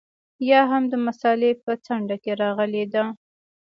یا هم د مسألې په څنډه کې راغلې ده.